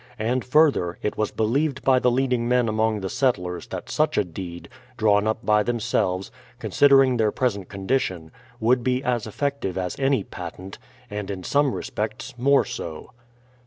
And, further, it was believed by the leading men among the settlers that such a deed, drawn up by themselves, considering their present condition, would be as effective as any patent, and in some respects more so.